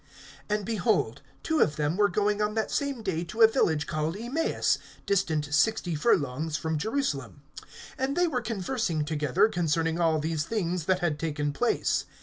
(13)And, behold, two of them were going on that same day to a village called Emmaus, distant sixty furlongs from Jerusalem. (14)And they were conversing together concerning all these things that had taken place.